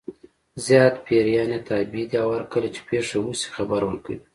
زیات پیریان یې تابع دي او هرکله چې پېښه وشي خبر ورکوي.